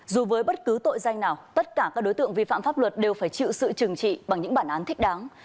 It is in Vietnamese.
dù với bất cứ tội danh nào tất cả các đối tượng vi phạm pháp luật đều phải chịu sự trừng trị bằng những bản án thích đáng